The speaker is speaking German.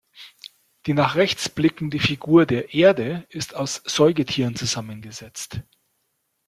Die nach rechts blickende Figur der "Erde" ist aus Säugetieren zusammengesetzt.